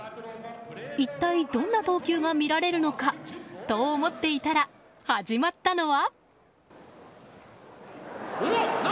一体どんな投球が見られるのかと思っていたら始まったのは。